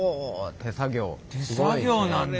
手作業なんだ。